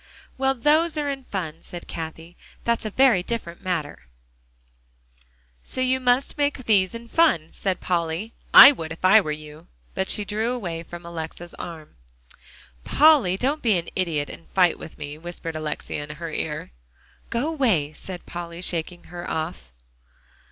"Well, those are in fun," said Cathie; "that's a very different matter" "So you must make these in fun," said Polly. "I would if I were you." But she drew away from Alexia's arm. "Polly, don't be an idiot and fight with me," whispered Alexia in her ear. "Go away," said Polly, shaking her off.